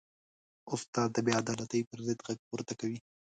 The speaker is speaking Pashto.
استاد د بېعدالتۍ پر ضد غږ پورته کوي.